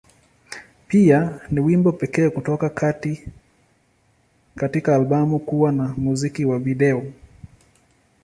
Pia, ni wimbo pekee kutoka katika albamu kuwa na muziki wa video.